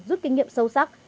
rút kinh nghiệm sâu sắc